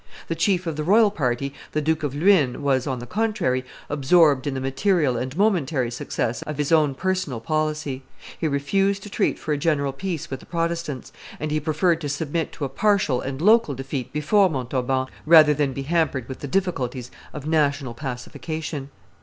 The chief of the royal party, the Duke of Luynes, was, on the contrary, absorbed in the material and momentary success of his own personal policy; he refused to treat for a general peace with the Protestants, and he preferred to submit to a partial and local defeat before Montauban, rather than be hampered with the difficulties of national pacification.